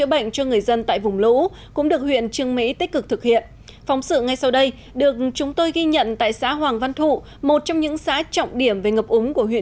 và ngoài khám ở tại xã hoàng văn thụ hôm nay